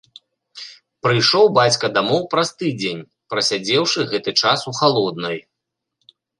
Прыйшоў бацька дамоў праз тыдзень, прасядзеўшы гэты час у халоднай.